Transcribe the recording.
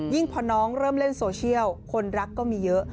พอน้องเริ่มเล่นโซเชียลคนรักก็มีเยอะ